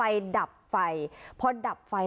อันดับที่สุดท้าย